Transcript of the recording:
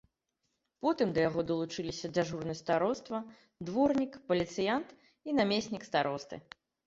Потым да яго далучыліся дзяжурны староства, дворнік, паліцыянт і намеснік старосты.